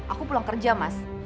aku pulang kerja mas